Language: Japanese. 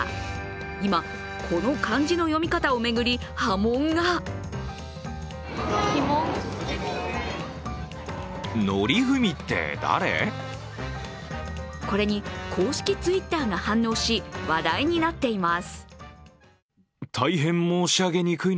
今、この漢字の読み方を巡り波紋がこれに公式Ｔｗｉｔｔｅｒが反応し話題になっています。